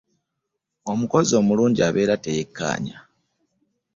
Omukozi omulungi abeera teyeekaanya.